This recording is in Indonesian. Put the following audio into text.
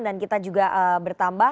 dan kita juga bertambah